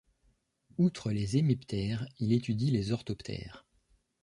Outre les hémiptères, il étudie les orthoptères.